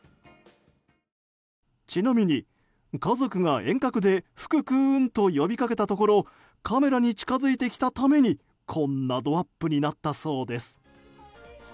ちなみに、家族が遠隔でフクくーんと呼びかけたところカメラに近づいてきたためにこんなドアップになったそうです。